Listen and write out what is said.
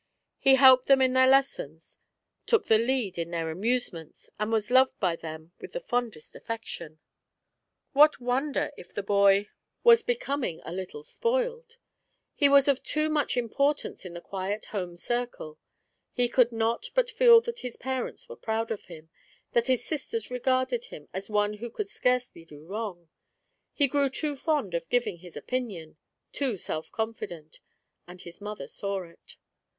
He helped them in their lessons, took the lead in their amusements, and was loved by them with the fondest affection. What wonder if the boy 2 18 THE ARRIVAL. was becoming a little spoiled; he was of too much im portance in the quiet home circle; he could not but feel that his parents were proud of him — that his sisters regarded him as one who could scarcely do wrong; he grew too fond of giving his opinion — too self confident, and his mother saw it.